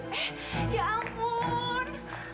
eh ya ampun